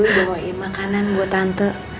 bawain makanan buat tante